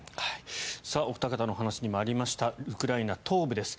お二方のお話にもありましたウクライナ東部です。